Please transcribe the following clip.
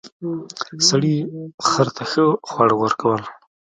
سړي خر ته ښه خواړه ورکول.